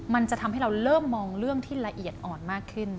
มันจะทำให้เราเริ่มมองเรื่องที่ละเอียดอ่อนมากขึ้น